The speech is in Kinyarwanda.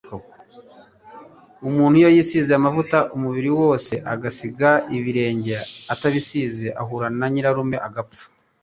Umuntu iyo yisize amavuta umubiri wose agasigaza ibirenge atabisize, ahura na Nyirarume agapfa